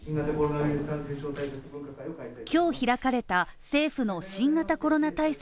今日開かれた政府の新型コロナ対策